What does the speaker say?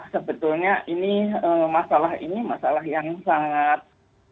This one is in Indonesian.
sebetulnya ini masalah ini masalah yang sangat